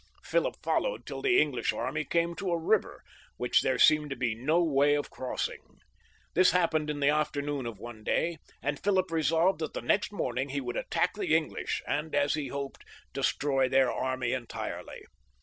Philip followed till the English army came to a river, which there seemed to be no way of crossing. This happened in the afternoon of one day, and Philip resolved that the next morning he would attack the English, and, as he hoped, destroy their army entirely.